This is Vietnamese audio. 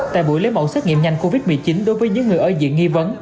tại buổi lấy mẫu xét nghiệm nhanh covid một mươi chín đối với những người ở diện nghi vấn